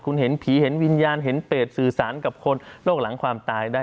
คุณเห็นผีเห็นวิญญาณเห็นเปรตสื่อสารกับคนโรคหลังความตายได้